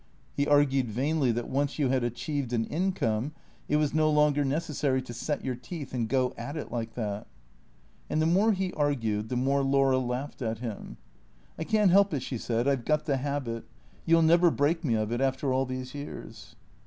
He argued vainly that once you had achieved an income it was no longer necessary to set your teeth and go at it like that. And the more he argued the more Laura laughed at him. " I can't help it," she said; "I've got the habit. You'll never break me of it, after all these years."